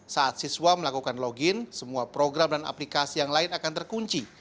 saat siswa melakukan login semua program dan aplikasi yang lain akan terkunci